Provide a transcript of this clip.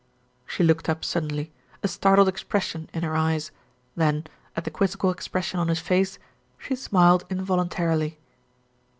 She looked up suddenly, a startled expression in her eyes, then, at the quizzical expression on his face, she smiled involuntarily.